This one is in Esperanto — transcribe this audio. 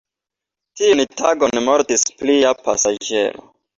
Tiun tagon mortis plia pasaĝero.